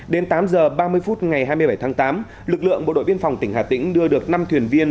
đến tám h ba mươi phút ngày hai mươi bảy tháng tám lực lượng bộ đội biên phòng tỉnh hà tĩnh đưa được năm thuyền viên